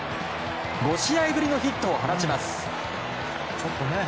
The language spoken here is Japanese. ５試合ぶりのヒットを放ちます。